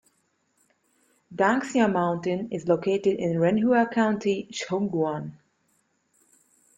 Danxia Mountain is located in Renhua County, Shaoguan.